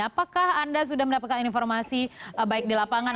apakah anda sudah mendapatkan informasi baik di lapangan